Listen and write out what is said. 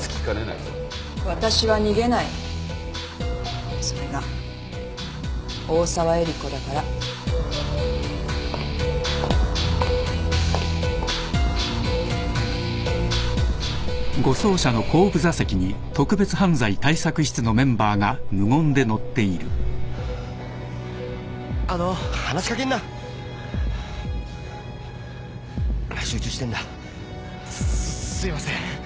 すすいません。